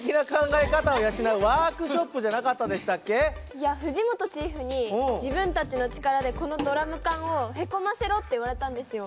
いや藤本チーフに「自分たちの力でこのドラム缶をへこませろ」って言われたんですよ。